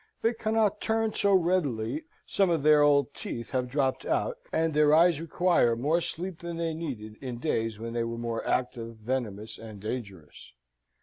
They cannot turn so readily, some of their old teeth have dropped out, and their eyes require more sleep than they needed in days when they were more active, venomous, and dangerous.